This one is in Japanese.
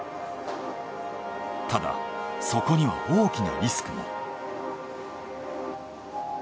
ただそこには大きなリスクも。